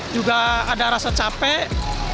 juga ada rasa capek